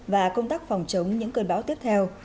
và công tác phòng chống những cơn bão tiếp theo